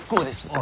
あ？